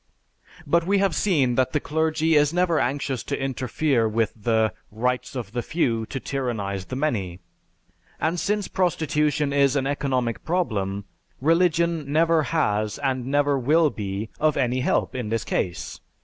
But we have seen that the clergy is never anxious to interfere with the "rights of the few to tyrannize the many," and since prostitution is an economic problem, religion never has, and never will be, of any help in this case.